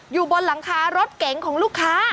อยู่บนหลังคารถเก๋งของลูกค้า